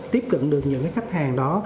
tiếp cận được những khách hàng đó